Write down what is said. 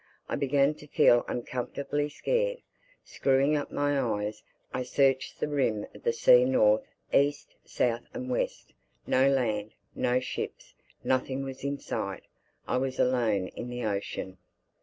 I began to feel uncomfortably scared. Screwing up my eyes, I searched the rim of the sea North, East, South and West: no land: no ships; nothing was in sight. I was alone in the ocean!